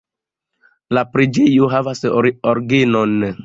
La preĝejo havas orgenon.